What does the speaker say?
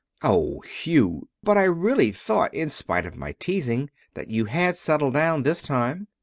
"Oh, Hugh! But I really thought in spite of my teasing that you had settled down, this time."